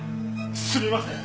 すみません！